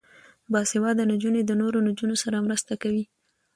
باسواده نجونې د نورو نجونو سره مرسته کوي.